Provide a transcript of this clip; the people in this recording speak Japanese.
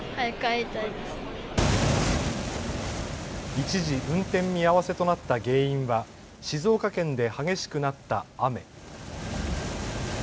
一時、運転見合わせとなった原因は静岡県で激しくなった雨。